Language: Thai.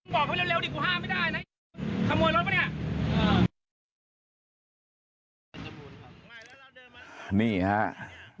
บอกเขาเร็วกูห้ามไม่ได้นาย